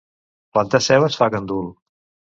Plantar cebes fa gandul.